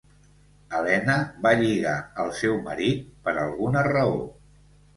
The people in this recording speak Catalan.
Helena va lligar el seu marit, per alguna raó.